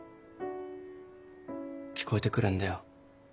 聞こえてくるんだよ。